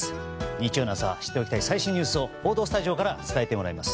日曜の朝知っておきたい最新ニュースを報道スタジオから伝えてもらいます。